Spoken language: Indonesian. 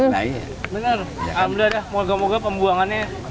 benar mudah mudahan pembuangannya